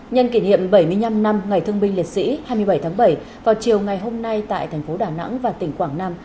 nhân kỷ niệm bảy mươi năm năm ngày thương binh liệt sĩ hai mươi bảy tháng bảy vào chiều ngày hôm nay tại thành phố đà nẵng và tỉnh quảng nam